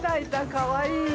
かわいい。